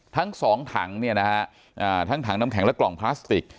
ทั้ง๒ถังทั้งถังน้ำแข็งและกล่องพลาสติก